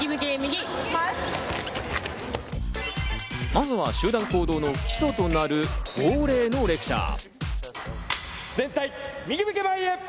まずは集団行動の基礎となる号令のレクチャー。